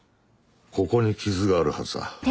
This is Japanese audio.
ここに傷があるはずだ。